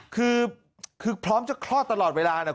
คือพร้อมจะคลอดตลอดเวลานะ